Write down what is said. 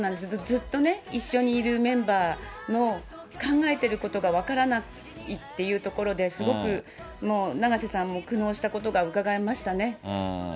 ずっとね、一緒にいるメンバーの考えてることが分からないっていうところで、すごくもう、永瀬さんも苦悩したことがうかがえましたね。